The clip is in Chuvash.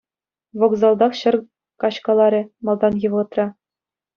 Вокзалтах ҫӗр каҫкаларӗ малтанхи вӑхӑтра.